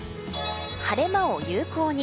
晴れ間を有効に。